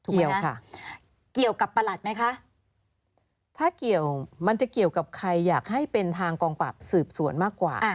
เกี่ยวค่ะเกี่ยวกับประหลัดไหมคะถ้าเกี่ยวมันจะเกี่ยวกับใครอยากให้เป็นทางกองปราบสืบสวนมากกว่า